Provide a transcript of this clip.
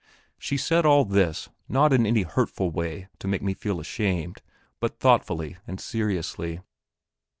She said all this, not in any hurtful way to make me feel ashamed, but thoughtfully and seriously.